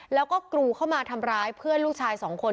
แล้วก็กรูเข้ามาทำร้ายเพื่อนลูกชายสองคน